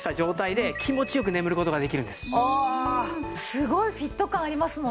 すごいフィット感ありますもんね。